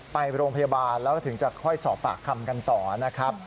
ไปโรงพยาบาลแล้วก็ถึงจะค่อยสอบปากคำกันต่อนะครับ